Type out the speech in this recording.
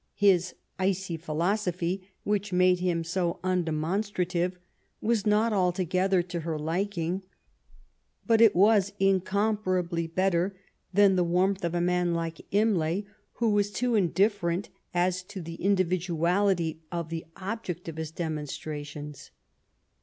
His *'icy philosophy/' which made him so undemonstrative, was not altogether to her liking, but it was incomparably better than the warmth of a man like Imlay, who was too indifferent as to the individuality of the object of his demonstrations.